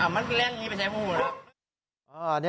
มันใช่ง่ายกว่าอย่างนี้